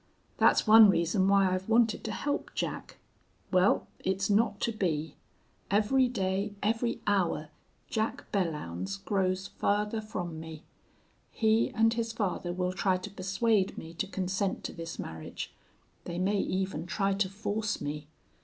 That's one reason why I've wanted to help Jack. Well, it's not to be. Every day, every hour, Jack Belllounds grows farther from me. He and his father will try to persuade me to consent to this marriage. They may even try to force me.